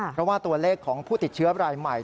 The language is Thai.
เพราะว่าตัวเลขของผู้ติดเชื้อรายใหม่